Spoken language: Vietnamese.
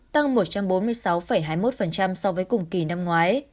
tăng một trăm bốn mươi sáu hai mươi một so với cùng kỳ năm ngoái